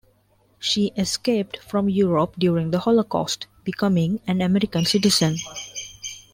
She escaped from Europe during the Holocaust, becoming an American citizen.